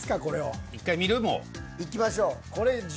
いきましょう。